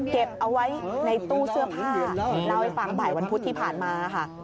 เก็บเอาไว้ในตู้เสื้อผ้าเล่าให้ฟังบ่ายวันพุธที่ผ่านมาค่ะ